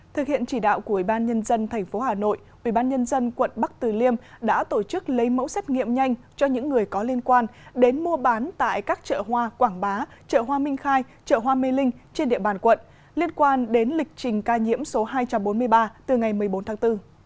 thực hiện chỉ đạo của ủy ban nhân dân tp hà nội ubnd quận bắc từ liêm đã tổ chức lấy mẫu xét nghiệm nhanh cho những người có liên quan đến mua bán tại các chợ hoa quảng bá chợ hoa minh khai chợ hoa mê linh trên địa bàn quận liên quan đến lịch trình ca nhiễm số hai trăm bốn mươi ba từ ngày một mươi bốn tháng bốn